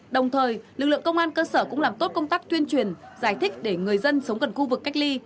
đồng thời lực lượng công an cơ sở cũng làm tốt công tác tuyên truyền giải thích để người dân sống gần khu vực cách ly